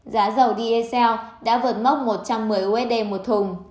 giá dầu dsn đã vượt mốc một trăm một mươi usd một thùng